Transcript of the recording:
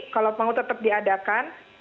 kalau mau tetap diadakan